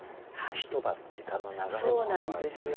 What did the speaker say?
一晩の時間の流れも表れてますよね。